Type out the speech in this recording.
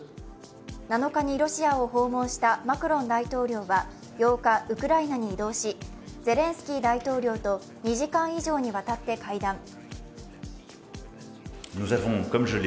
７日にロシアを訪問したマクロン大統領は８日、ウクライナに移動し、ゼレンスキー大統領と２時間以上にわたって会談。